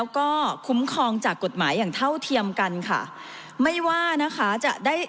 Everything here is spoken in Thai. ก็คุ้มครองจากกฎหมายอย่างเท่าเทียมกันค่ะ